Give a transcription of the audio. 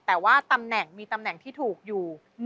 แต่ว่าตำแหน่งมีตำแหน่งที่ถูกอยู่